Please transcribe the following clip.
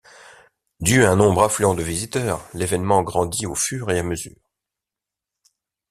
Dû à un nombre affluant de visiteurs, l'évènement grandit au fur et à mesure.